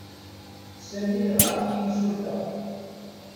Sami yeɣra i yimsulta.